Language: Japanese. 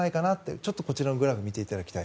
ちょっとこちらのグラフを見ていただきたい。